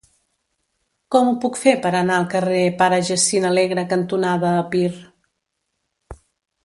Com ho puc fer per anar al carrer Pare Jacint Alegre cantonada Epir?